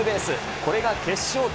これが決勝点。